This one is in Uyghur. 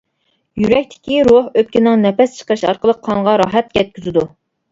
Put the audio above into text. يۈرەكتىكى روھ ئۆپكىنىڭ نەپەس چىقىرىشى ئارقىلىق قانغا راھەت يەتكۈزىدۇ.